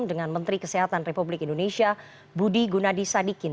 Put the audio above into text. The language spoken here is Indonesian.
dengan menteri kesehatan republik indonesia budi gunadisadikin